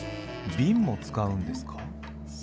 ビンも使うんですか？